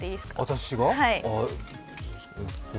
私が？